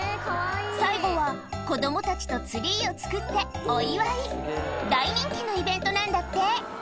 最後は子供たちとツリーを作ってお祝い大人気のイベントなんだって